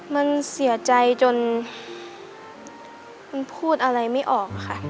มันเสียใจจนมันพูดอะไรไม่ออกค่ะ